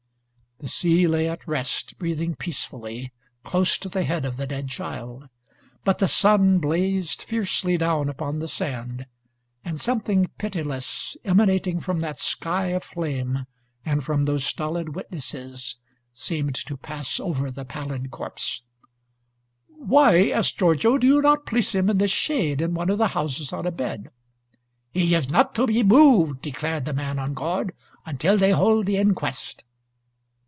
The sea lay at rest, breathing peacefully, close to the head of the dead child. But the sun blazed fiercely down upon the sand; and something pitiless, emanating from that sky of flame and from those stolid witnesses, seemed to pass over the pallid corpse. "Why," asked Giorgio, "do you not place him in the shade, in one of the houses, on a bed?" "He is not to be moved," declared the man on guard, "until they hold the inquest."